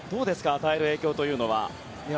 与える影響というのは。